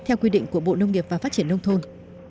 theo quy định của bộ nông nghiệp và phát triển nông thôn